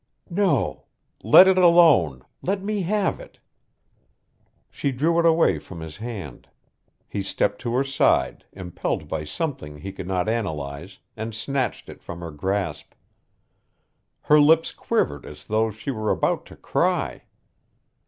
"No. Let it alone. Let me have it." She drew it away from his hand. He stepped to her side, impelled by something he could not analyze, and snatched it from her grasp. Her lips quivered as though she were about to cry.